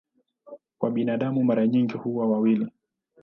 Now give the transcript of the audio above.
Kwa binadamu mara nyingi huwa wawili.